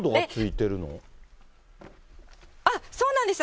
そうなんです。